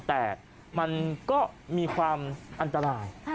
เสียชีวิตก็ตามแต่มันก็มีความอันตราย